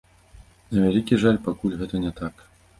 На вялікі жаль, пакуль гэта не так.